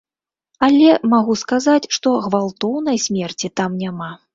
Але магу сказаць, што гвалтоўнай смерці там няма.